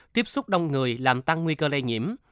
tiếp xúc đông người làm tăng nguy cơ lây nhiễm